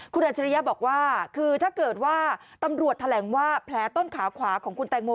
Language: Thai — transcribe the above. คุณอัจฉริยะบอกว่าคือถ้าเกิดว่าตำรวจแถลงว่าแผลต้นขาขวาของคุณแตงโม